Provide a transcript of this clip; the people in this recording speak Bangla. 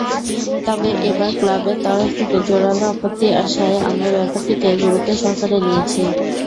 তবে এবার ক্লাবের তরফ থেকে জোরালো আপত্তি আসায় আমরা ব্যাপারটাকে গুরুত্বসহকারে নিয়েছি।